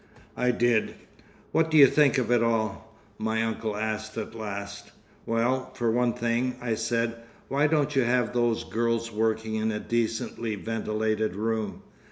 I did. "What do you think of it all?" my uncle asked at last. "Well, for one thing," I said, "why don't you have those girls working in a decently ventilated room?